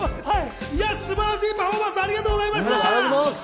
素晴らしいパフォーマンスをありがとうございました！